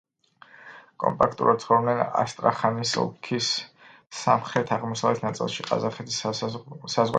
კომპაქტურად ცხოვრობენ ასტრახანის ოლქის სამხრეთ-აღმოსავლეთ ნაწილში, ყაზახეთის საზღვართან ახლოს.